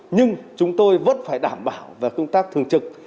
nhưng chúng tôi vẫn phải đảm bảo về công tác thường trực